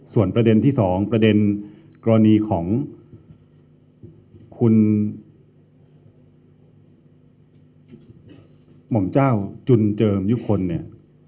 ส่วนประเด็นที่๒ประเด็นกรณีของคุณหม่อมเจ้าจุนเจิมยุคลเนี่ย